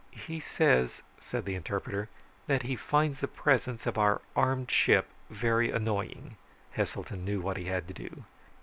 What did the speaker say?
"He says," said the interpreter, "that he finds the presence of our armed ship very annoying." Heselton knew what he had to do.